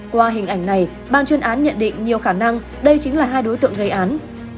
qua hình ảnh này ban chuyên án nhận định nhiều khả năng đây chính là hai đối tượng gây án